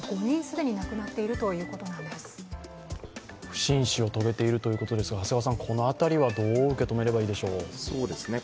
不審死を遂げているということですが、この辺りはどう受け止めればいいでしょう？